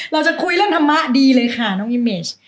เราจะคุยเรื่องธรรมะดีเลยค่ะน้องอิเมจ